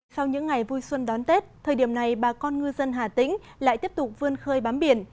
sau những ngày vui xuân đón tết thời điểm này bà con ngư dân hà tĩnh lại tiếp tục vươn khơi bám biển